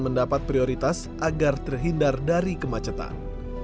mendapat prioritas agar terhindar dari kemacetan